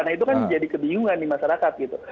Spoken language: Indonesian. nah itu kan jadi kebingungan di masyarakat gitu